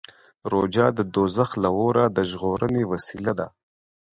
روژه د دوزخ له اوره د ژغورنې وسیله ده.